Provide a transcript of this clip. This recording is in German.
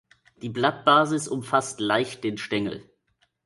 Die Blattbasis umfasst leicht den Stängel.